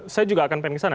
saya juga akan pengen kesana